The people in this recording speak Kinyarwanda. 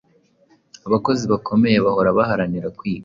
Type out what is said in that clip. Abakozi bakomeye bahora baharanira kwiga